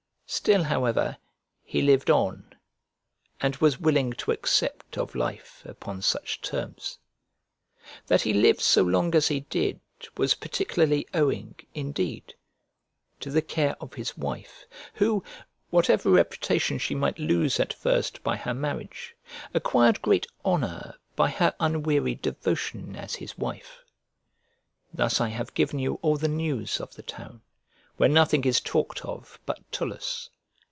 Still, however, he lived on, and was willing to accept of life upon such terms. That he lived so long as he did was particularly owing, indeed, to the care of his wife, who, whatever reputation she might lose at first by her marriage, acquired great honour by her unwearied devotion as his wife. Thus I have given you all the news of the town, where nothing is talked of but Tullus.